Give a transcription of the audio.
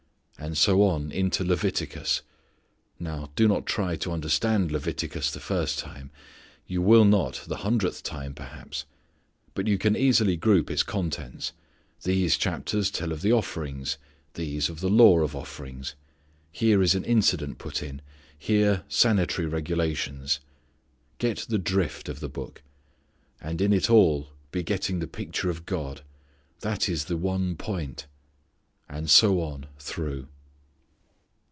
And so on into Leviticus. Now do not try to understand Leviticus the first time. You will not the hundredth time perhaps. But you can easily group its contents: these chapters tell of the offerings: these of the law of offerings: here is an incident put in: here sanitary regulations: get the drift of the book. And in it all be getting the picture of God that is the one point. And so on through.